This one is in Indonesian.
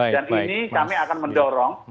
dan ini kami akan mendorong